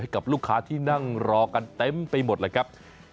กับลูกค้าที่นั่งรอกันเต็มไปหมดเลยครับ